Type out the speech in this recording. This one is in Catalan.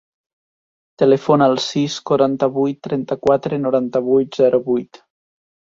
Telefona al sis, quaranta-vuit, trenta-quatre, noranta-vuit, zero, vuit.